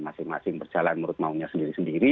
masing masing berjalan menurut maunya sendiri sendiri